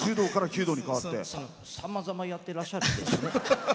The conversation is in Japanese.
さまざまやってらっしゃるんですね。